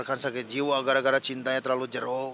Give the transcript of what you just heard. kan sakit jiwa gara gara cintanya terlalu jeruk